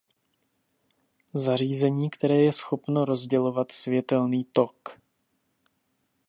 Zařízení které je schopno rozdělovat světelný tok.